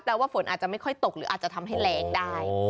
ว่าฝนอาจจะไม่ค่อยตกหรืออาจจะทำให้แรงได้